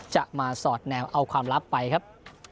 จะมาสอดแนวเอาความลับไปครับ